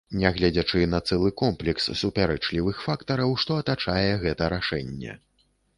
Нягледзячы на цэлы комплекс супярэчлівых фактараў, што атачае гэта рашэнне.